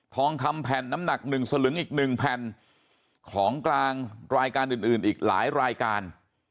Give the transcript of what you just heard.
ทองคำแผ่นน้ำหนัก๑สลึงอีกหนึ่งแผ่นของกลางรายการอื่นอีกหลายรายการ